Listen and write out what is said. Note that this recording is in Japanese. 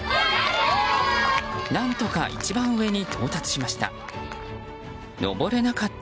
何とか一番上に到達しました。